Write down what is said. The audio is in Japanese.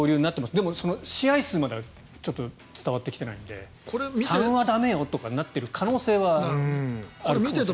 でも試合数まではちょっと伝わってきてないので３は駄目よとかってなってる可能性はあるんじゃないですか。